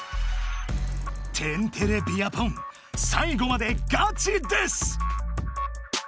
天てれビアポン最後までガチです！